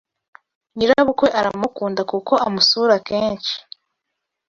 Nyirabukwe aramukunda kuko amusura kenshyi